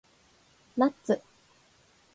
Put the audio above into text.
ナッツ